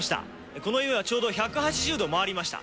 この家はちょうど１８０度回りました。